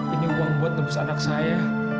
ini uang buat tebus anak saya